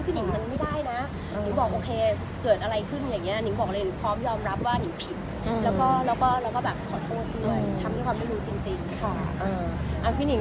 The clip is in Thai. พี่หนิงค่ะจริงหลักคือคือเราเป็นยังไงคะ